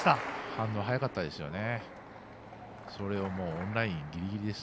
反応早かったですよね。